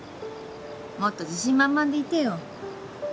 もっと自信満々でいてよ。